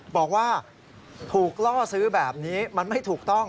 บอกว่าถูกล่อซื้อแบบนี้มันไม่ถูกต้อง